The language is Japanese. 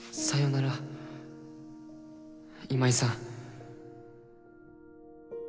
さよなら今井さん。